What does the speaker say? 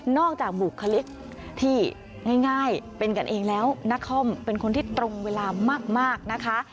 จากบุคลิกที่ง่ายเป็นกันเองแล้วนักคอมเป็นคนที่ตรงเวลามากนะคะ